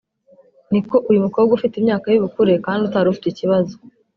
ni uko uyu mukobwa ufite imyaka y’ubukure kandi utari ufite ikibazo